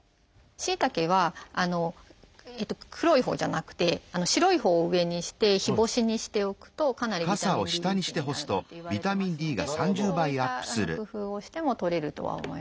しいたけは黒いほうじゃなくて白いほうを上にして日干しにしておくとかなりビタミンＤリッチになるなんていわれてますのでそういった工夫をしてもとれるとは思います。